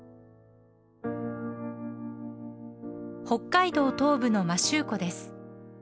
北海道東部の摩周湖です。